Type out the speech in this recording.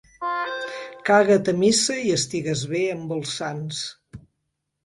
Caga't a missa i estigues bé amb els sants.